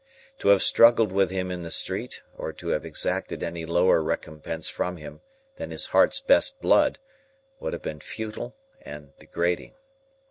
To have struggled with him in the street, or to have exacted any lower recompense from him than his heart's best blood, would have been futile and degrading.